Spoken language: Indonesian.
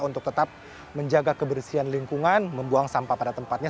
untuk tetap menjaga kebersihan lingkungan membuang sampah pada tempatnya